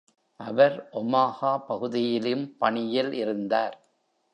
அவர் Omaha பகுதியிலும் பணியில் இருந்தார்.